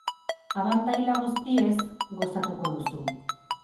Abantaila guztiez gozatuko duzu.